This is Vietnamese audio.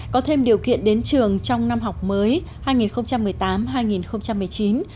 có thêm điều kiện đến trường trong năm học mới hai nghìn một mươi tám hai nghìn một mươi chín